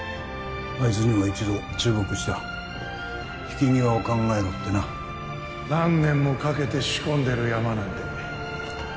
あいつには一度忠告した引き際を考えろってな何年もかけて仕込んでるヤマなんで